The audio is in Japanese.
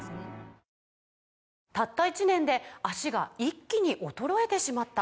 「たった１年で脚が一気に衰えてしまった」